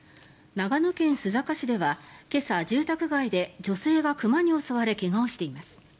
長野県須坂市では今朝、住宅街で女性が熊に襲われ怪我をしています。